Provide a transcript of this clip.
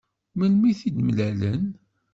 Melmi i t-id-mlalen?